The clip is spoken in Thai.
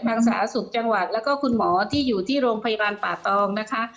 สาธารณสุขจังหวัดแล้วก็คุณหมอที่อยู่ที่โรงพยาบาลป่าตองนะคะ